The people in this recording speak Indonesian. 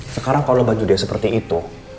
sekarang kalau baju dia seperti itu